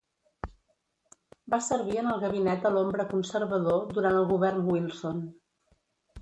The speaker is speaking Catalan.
Va servir en el Gabinet a l'Ombra Conservador durant el govern Wilson.